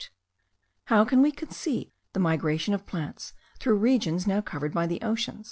How can we conceive the migration of plants through regions now covered by the ocean?